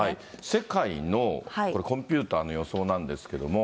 世界のこれ、コンピューターの予想なんですけれども、